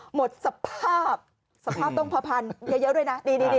หมดสภาพสภาพต้องเผพันธุ์เยอะด้วยนะ